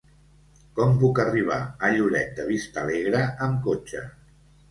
Com puc arribar a Lloret de Vistalegre amb cotxe?